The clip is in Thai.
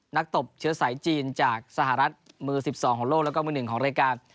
ตบเชื้อสายจีนจากสหรัฐมือ๑๒ของโลกแล้วก็มือ๑ของรายการ